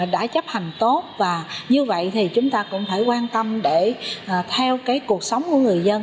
đã chấp hành tốt và như vậy thì chúng ta cũng phải quan tâm để theo cái cuộc sống của người dân